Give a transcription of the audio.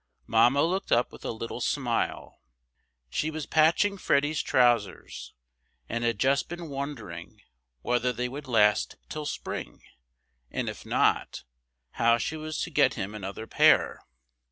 Mamma looked up with a little smile; she was patching Freddy's trousers, and had just been wondering whether they would last till spring, and if not, how she was to get him another pair.